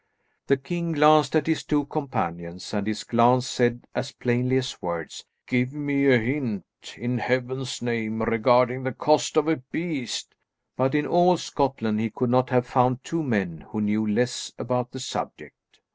The king glanced at his two companions, and his glance said as plainly as words, "Give me a hint, in heaven's name, regarding the cost of a beast;" but in all Scotland he could not have found two men who knew less about the subject.